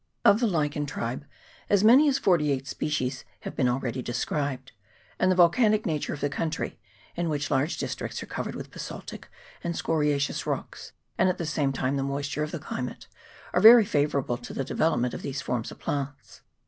Of the lichen tribe as many as 28 species have been already described ; and the volcanic nature of the country, in which large districts are covered with basaltic and scori aceous rocks, and at the same time the moisture of the climate, are very favourable to the development of these forms of plants.